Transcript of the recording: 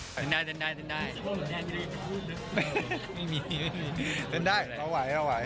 ดึงได้ดึงได้เดินได้เอาไหว